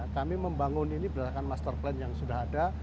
kami membangun ini berdasarkan master plan yang sudah ada